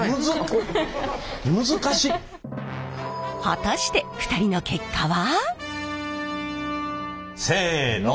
果たして２人の結果は？せの。